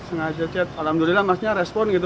sengaja chat alhamdulillah masnya respon gitu